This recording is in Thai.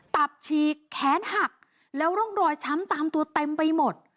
ตับฉีกแขนหักแล้วร่องรอยช้ำตามตัวเต็มไปหมด